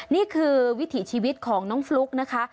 นี่คือวิถีชีวิตของน้องฟลุ๊กนะคะ